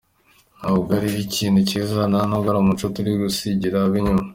Ntabwo ari ikintu cyiza nta n’ubwo ari umuco turi gusigira ab’inyuma.